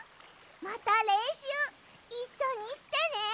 またれんしゅういっしょにしてね！